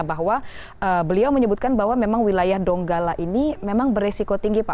bahwa beliau menyebutkan bahwa memang wilayah donggala ini memang beresiko tinggi pak